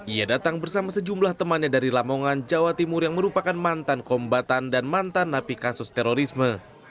ia datang bersama sejumlah temannya dari lamongan jawa timur yang merupakan mantan kombatan dan mantan napi kasus terorisme